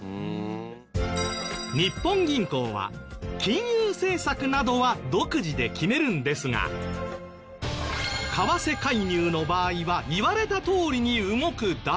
日本銀行は金融政策などは独自で決めるんですが為替介入の場合は言われたとおりに動くだけ。